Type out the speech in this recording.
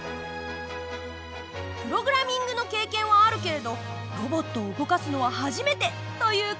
プログラミングの経験はあるけれどロボットを動かすのは初めてという子供も。